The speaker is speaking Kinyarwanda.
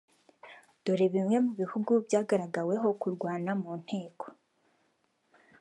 Dore bimwe mu bihugu byagaragaweho kurwana mu nteko